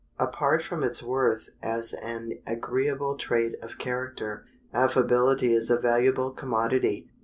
Apart from its worth as an agreeable trait of character, affability is a valuable commodity.